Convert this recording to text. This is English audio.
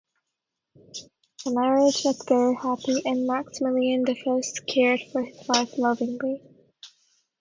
The marriage was very happy and Maximilian the First cared for his wife lovingly.